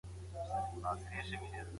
د اقتصاد مطالعه له موږ سره مرسته کوي.